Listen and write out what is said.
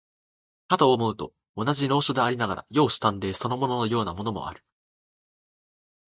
かと思うと、同じ能書でありながら、容姿端麗そのもののようなものもある。